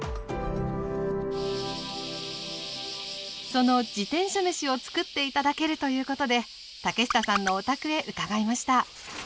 その自転車めしをつくって頂けるということで竹下さんのお宅へ伺いました。